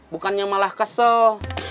bukannya malah kesel